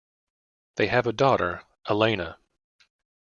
They have a daughter, Elena.